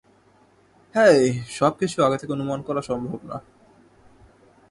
হেই, সবকিছু আগে থেকে অনুমান করা সম্ভব না।